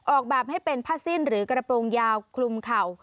ออกแบบให้เป็นผ้าสิ้นหรือกระโปรงยาวคลุมเข่า